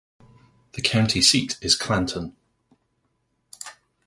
The county seat is Clanton.